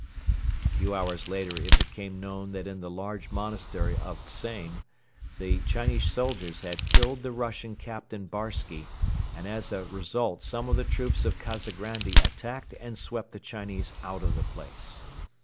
A few hours later it became known that in the large monastery of Dzain the Chinese soldiers had killed the Russian Captain Barsky and as a result some of the troops of Kazagrandi attacked and swept the Chinese out of the place.